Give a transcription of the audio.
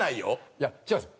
いや違うんですよ。